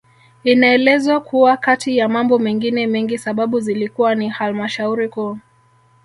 Inaelezwa kuwa kati ya mambo mengine mengi sababu zilikuwa ni halmashauri Kuu